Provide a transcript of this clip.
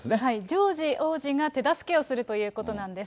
ジョージ王子が手助けをするということなんです。